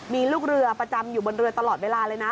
มีลูกเรือประจำอยู่บนเรือตลอดเวลาเลยนะ